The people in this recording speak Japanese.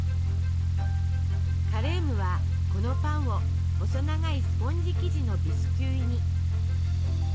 カレームはこのパンを細長いスポンジ生地のビスキュイに。